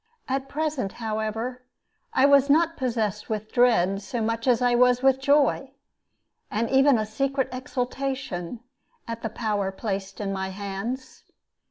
At present, however, I was not possessed with dread so much as I was with joy, and even a secret exultation, at the power placed in my hands.